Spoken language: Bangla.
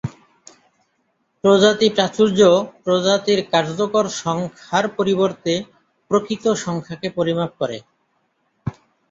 প্রজাতি প্রাচুর্য প্রজাতির কার্যকর সংখ্যার পরিবর্তে প্রকৃত সংখ্যাকে পরিমাপ করে।